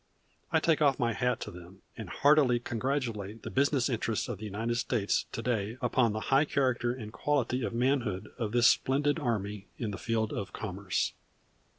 I take off my hat to them, and heartily congratulate the business interests of the United States to day upon the high character and quality of manhood of this splendid army in the field of commerce.